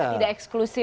tidak eksklusif ya